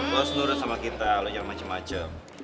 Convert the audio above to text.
lo seluruhnya sama kita lo yang macem macem